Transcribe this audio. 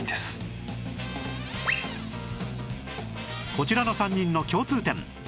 こちらの３人の共通点